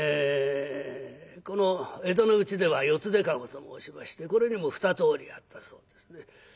この江戸のうちでは四つ手駕籠と申しましてこれにも２通りあったそうですね。